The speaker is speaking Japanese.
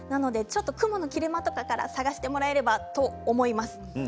雲の切れ間とかから探してもらえればと思います。